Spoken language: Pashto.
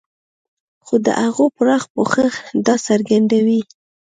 خو د هغو پراخ پوښښ دا څرګندوي.